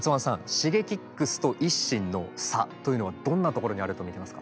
ＳｈｉｇｅｋｉｘとＩＳＳＩＮの差というのはどんなところにあると見てますか？